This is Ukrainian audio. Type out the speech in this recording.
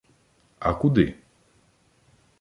— А куди?